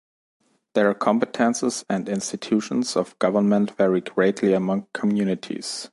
Their competences and institutions of government vary greatly among communities.